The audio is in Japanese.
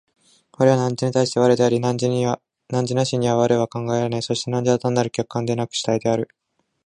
我は汝に対して我であり、汝なしには我は考えられない、そして汝は単なる客観でなく主体である。